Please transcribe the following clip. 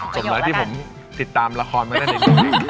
จบแล้วที่ผมติดตามละครมาได้เด็ก